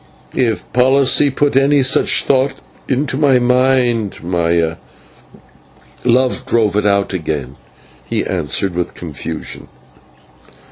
"If policy put any such thought into my mind, Maya, love drove it out again," he answered, with confusion.